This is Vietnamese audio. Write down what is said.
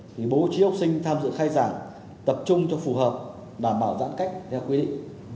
thì bố trí học sinh tham dự khai giảng tập trung cho phù hợp đảm bảo giãn cách theo quy định